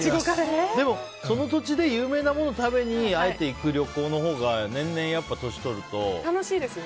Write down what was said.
でも、その土地で有名なものを食べにあえて行く旅行のほうが年々、年取るとね。